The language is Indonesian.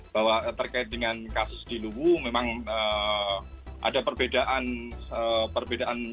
bahwa terkait dengan kasus di luwu memang ada perbedaan